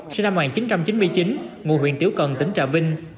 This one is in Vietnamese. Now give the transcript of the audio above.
sinh năm một nghìn chín trăm chín mươi chín ngụ huyện tiểu cần tỉnh trà vinh